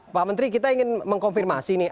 pak menteri kita ingin mengkonfirmasi nih